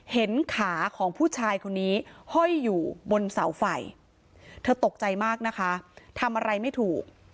เห็นขาของผู้ชายคนนี้ห้อยอยู่บนเสาไฟเธอตกใจมากนะคะทำอะไรไม่ถูก